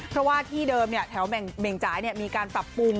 เพราะว่าที่เดิมแถวเหม่งจ่ายมีการปรับปรุง